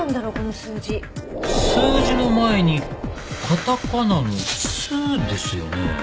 数字の前にカタカナの「ス」ですよね。